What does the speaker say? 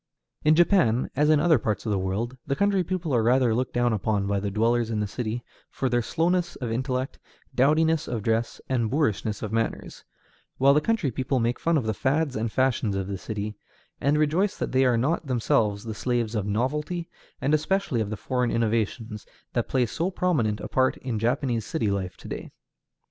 In Japan, as in other parts of the world, the country people are rather looked down upon by the dwellers in the city for their slowness of intellect, dowdiness of dress, and boorishness of manners; while the country people make fun of the fads and fashions of the city, and rejoice that they are not themselves the slaves of novelty, and especially of the foreign innovations that play so prominent a part in Japanese city life to day.